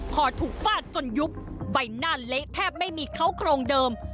คอถูกฟาดจนยุบใบหน้าเละแทบไม่มีเขาโครงเดิม